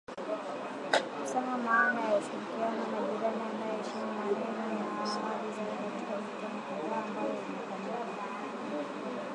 kusema maana ya ushirikiano na jirani anayeheshimu maneno na ahadi zake katika mikutano kadhaa ambayo imefanyika.